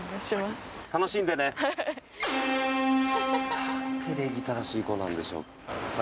何て礼儀正しい子なんでしょう。